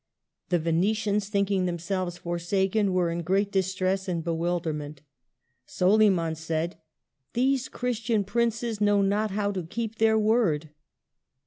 The Venetians, thinking themselves forsaken, were in great distress and bewilderment. Soliman said, " These Christian princes know not how to keep their word."